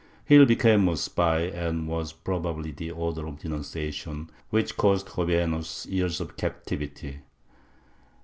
Gil became a spy and was probably the author of a denunciation which cost Jovellanos years of captivity.